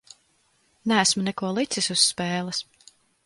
Neesmu neko licis uz spēles.